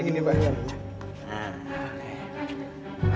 gak enak kayak penjara